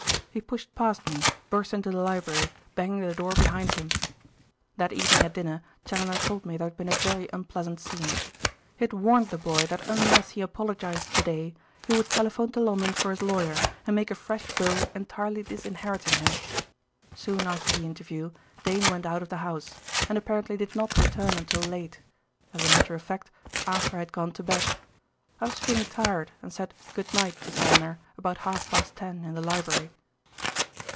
He pushed past me, burst into the library, banging the door behind him. "That evening at dinner Challoner told me there had been a very unpleasant scene. He had warned the boy that unless he apologised to day he would telephone to London for his lawyer, and make a fresh will entirely disinheriting him. Soon after the interview Dane went out of the house, and apparently did not return until late as a matter of fact, after I had gone to bed. I was feeling tired and said 'good night' to Challoner about half past ten in the library."